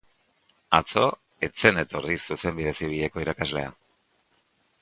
Atzo ez zen etorri Zuzenbide Zibileko irakaslea.